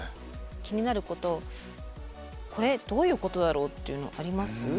気になることこれどういうことだろうっていうのあります？